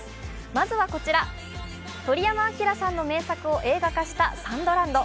まずはこちら、鳥山明さんの名作を映画化した「ＳＡＮＤＬＡＮＤ」。